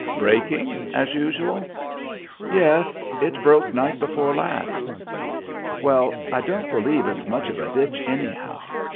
"Breaking, as usual?" "Yes; it broke night before last." "Well, I don't believe it's much of a ditch, anyhow.